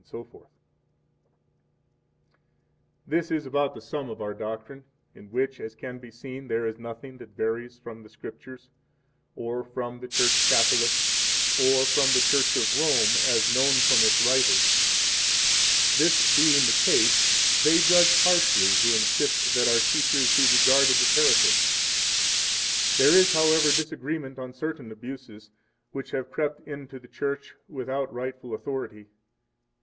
5 This is about the Sum of our Doctrine, in which, as can be seen, there is nothing that varies from the Scriptures, or from the Church Catholic, or from the Church of Rome as known from its writers. This being the case, they judge harshly who insist that our teachers be regarded as heretics. 6 There is, however, disagreement on certain abuses, which have crept into the Church without rightful authority.